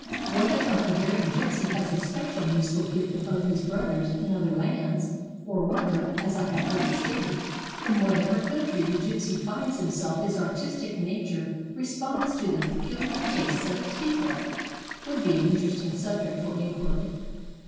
Whether the Hungarian gypsy has a special musical gift above his brothers in other lands, or whether, as I have heard it stated, in whatever coun try the gypsy finds himself his artistic nature responds to the pecuHar tastes of its people, would be an interesting subject for inquiry.